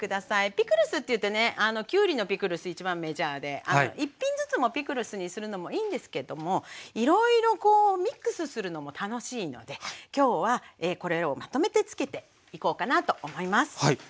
ピクルスっていってねきゅうりのピクルス一番メジャーで１品ずつピクルスにするのもいいんですけどもいろいろミックスするのも楽しいので今日はこれらをまとめて漬けていこうかなと思います。